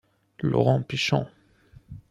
Laurent Pichon